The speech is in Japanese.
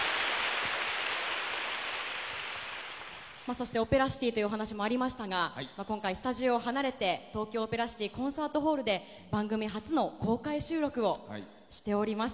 そして、オペラシティというお話もありましたが今回はスタジオを離れて東京オペラシティコンサートホールで番組初の公開収録をしております。